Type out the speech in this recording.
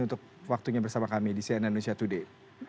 untuk waktunya bersama kami di cnn indonesia today